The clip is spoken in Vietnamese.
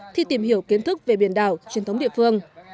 thi tìm hiểu kiến thức về biển đảo truyền thống địa phương